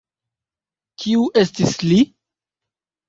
Kiu estis li?